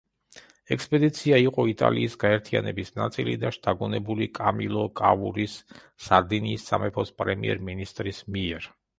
ექსპედიცია იყო იტალიის გაერთიანების ნაწილი და შთაგონებული კამილო კავურის, სარდინიის სამეფოს პრემიერ-მინისტრის მიერ.